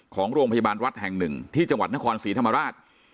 ของโรงพยาบาลวัดแห่งหนึ่งที่จังหวัดนครศรีธรรมราช